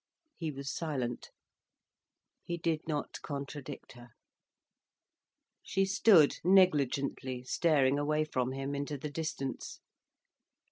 He was silent, he did not contradict her. She stood negligently, staring away from him, into the distance.